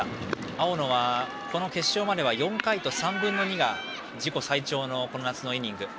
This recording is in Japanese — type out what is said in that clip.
青野はこの決勝までは４回と３分の２が自己最長のこの夏のイニング。